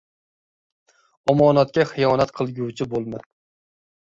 — Omonatga xiyonat qilguvchi bo‘lma.